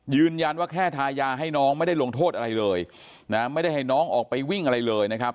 แค่ทายาให้น้องไม่ได้ลงโทษอะไรเลยนะไม่ได้ให้น้องออกไปวิ่งอะไรเลยนะครับ